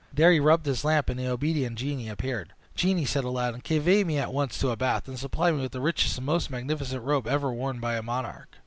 There he rubbed his lamp, and the obedient genie appeared. "Genie," said Aladdin, "convey me at once to a bath, and supply me with the richest and most magnificent robe ever worn by a monarch."